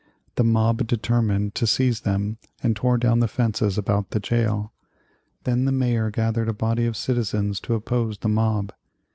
The mob determined to seize them, and tore down the fences about the jail. Then the Mayor gathered a body of citizens to oppose the mob.